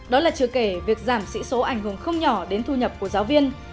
đó là chưa kể việc giảm sĩ số ảnh hưởng không nhỏ đến thu nhập của giáo viên